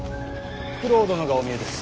九郎殿がお見えです。